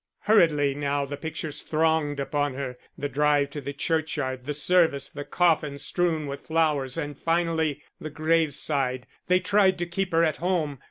Hurriedly now the pictures thronged upon her the drive to the churchyard, the service, the coffin strewn with flowers, and finally the grave side. They tried to keep her at home.